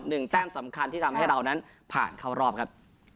แต้มสำคัญที่ทำให้เรานั้นผ่านเข้ารอบครับ